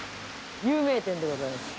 有名店でございます。